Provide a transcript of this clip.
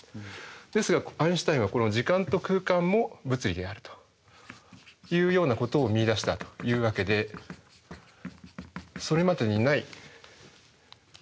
ですがアインシュタインはこの時間と空間も物理であるというようなことを見いだしたというわけでそれまでにない空前絶後の。